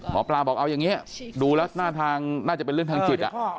หมอปลาบอกเอาอย่างนี้ดูแล้วหน้าทางน่าจะเป็นเรื่องทางจิต